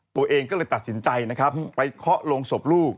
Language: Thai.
ตัวเองก็เลยตัดสินใจนะครับไปเคาะลงศพลูก